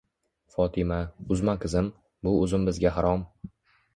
Fotima, uzma qizim! Bu uzum bizga harom!